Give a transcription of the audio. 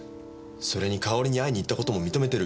それにかおりに会いにいった事も認めてる。